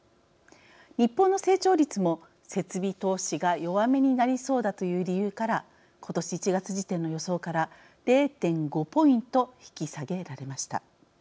日本の成長率も設備投資が弱めになりそうだという理由から今年１月時点の予想から０．５ポイント引き下げられました。